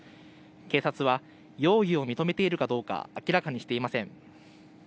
警察は容疑を認めているかどうか明らかにしていません。